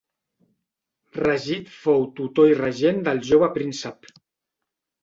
Rashid fou tutor i regent del jove príncep.